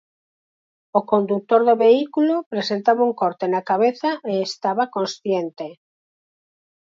O condutor do vehículo presentaba un corte na cabeza e estaba consciente.